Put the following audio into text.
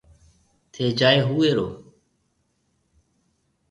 ٿَي جائي هوئيرو۔